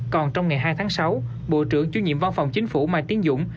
còn trong ngày hai tháng sáu bộ trưởng chuyên nhiệm văn phòng chính phủ mai tiến dũng